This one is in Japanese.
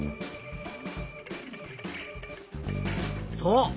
そう。